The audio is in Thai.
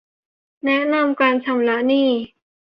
แนะนำการชำระหนี้